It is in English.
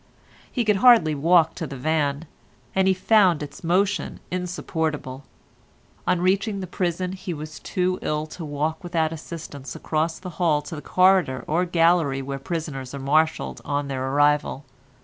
He could hardly walk to the van, and he found its motion insupportable. On reaching the prison he was too ill to walk without assistance across the hall to the corridor or gallery where prisoners are marshalled on their arrival.